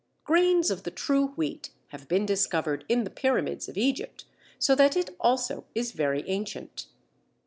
Grains of the true Wheat have been discovered in the Pyramids of Egypt, so that it also is very ancient.